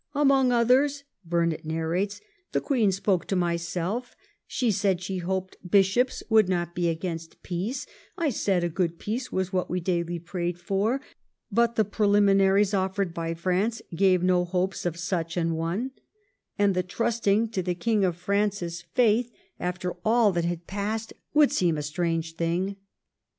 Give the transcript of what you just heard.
'Among others,' Burnet nar rates, 'the Queen spoke to myself; she said, she hoped bishops would not be against peace ; I said, a good peace was what we daily prayed for, but the preliminaries offered by France gave no hopes of such an one ; and the trusting to the King of France's faith, after all that had passed, would seem a strange thing.